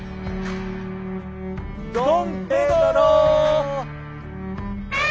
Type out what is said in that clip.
ドン・ペドロ。